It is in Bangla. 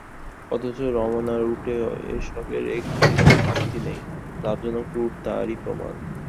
অথচ রমনা রুটে এসবের একটিরও ঘাটতি নেই, লাভজনক রুট তারই প্রমাণ।